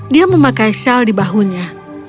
dia memakai sel di bahunya